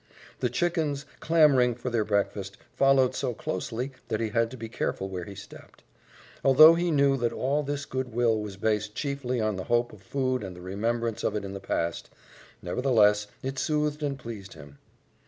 The chickens, clamoring for their breakfast, followed so closely that he had to be careful where he stepped. Although he knew that all this good will was based chiefly on the hope of food and the remembrance of it in the past, nevertheless it soothed and pleased him.